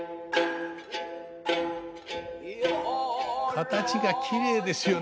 形がきれいですよね。